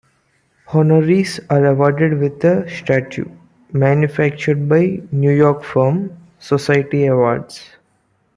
Honorees are awarded with a statue, manufactured by New York firm, Society Awards.